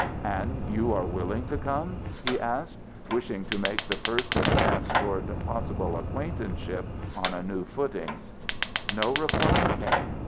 "And you are willing to come?" he asked, wishing to make the first advance toward possible acquaintanceship on the new footing. No reply came.